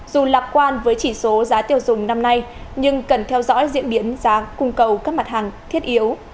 dù lạc quan với chỉ số giá tiêu dùng năm nay nhưng cần theo dõi diễn biến giá cung cầu các mặt hàng thiết yếu